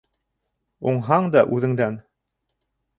Уңһаң да үҙеңдән